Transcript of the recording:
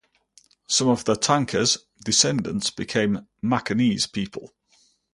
Some of the Tanka's descendants became Macanese people.